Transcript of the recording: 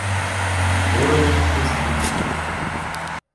Творення прислівників